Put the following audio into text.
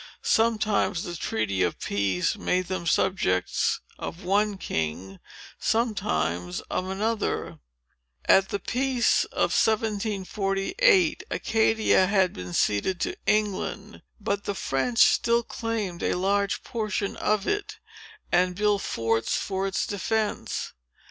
Sometimes the treaty of peace made them subjects of one king, sometimes of another. At the peace of 1748, Acadia had been ceded to England. But the French still claimed a large portion of it, and built forts for its defence.